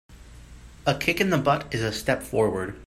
A kick in the butt is a step forward.